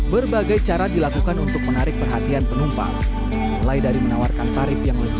berbagai cara dilakukan untuk menarik perhatian penumpang mulai dari menawarkan tarif yang lebih